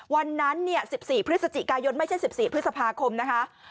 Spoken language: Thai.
วันนั้นเนี่ย๑๔พฤษภาคมนะคะ